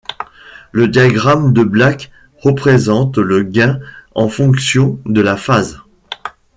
Le diagramme de Black représente le gain en fonction de la phase.